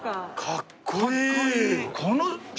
かっこいい！